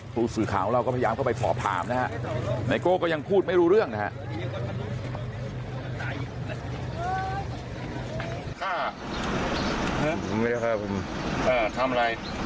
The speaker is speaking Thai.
ผู้สื่อข่าวของเราก็พยายามเข้าไปสอบถามนะฮะไนโก้ก็ยังพูดไม่รู้เรื่องนะฮะ